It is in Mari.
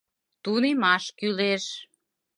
Тунемаш кӱлеш.